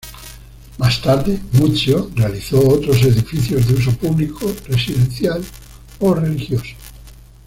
Más tarde, Muzio realizó otros edificios, de uso público, residencial o religioso.